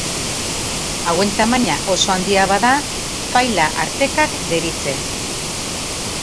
Hauen tamaina oso handia bada faila-artekak deritze.